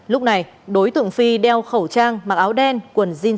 lúc này đối tượng phi đeo khẩu trang mặc áo đen quần jin